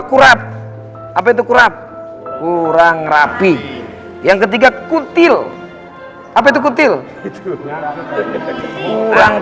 kurat apa itu delapan kurang rapi yang ketika cutil apa itu cutil itu aduh mualcoy